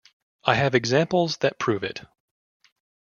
I have examples that prove it.